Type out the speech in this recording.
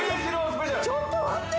ちょっと待って！